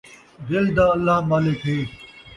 دل دا اللہ مالک ہے